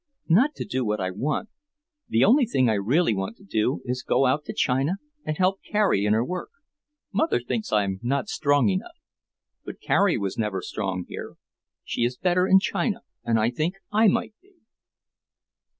"Not to do what I want to. The only thing I really want to do is to go out to China and help Carrie in her work. Mother thinks I'm not strong enough. But Carrie was never very strong here. She is better in China, and I think I might be."